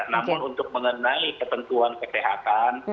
namun untuk mengenai ketentuan kesehatan